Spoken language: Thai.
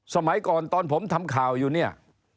สมัยก่อนตอนผมทำข่าวอยู่เนี่ย